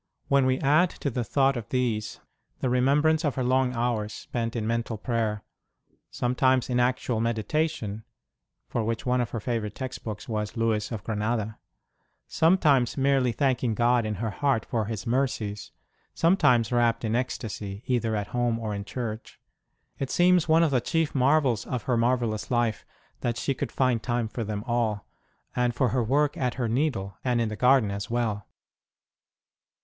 When we add to the thought of these the remem brance of her long hours spent in mental praycr sometimes in actual meditation (for which one of her favourite text books was Louis of Granada), sometimes merely thanking God in her heart for His mercies, sometimes rapt in ecstasy, either at home or in church it seems one of the chief marvels of her marvellous life that she could find time for them all, and for her work at her needle and in the garden as well.